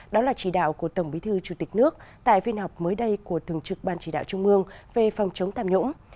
đó là chỉ đạo của tổng bí thư chủ tịch nước tại phiên họp mới đây của thường trực ban chỉ đạo trung ương về phòng chống tham nhũng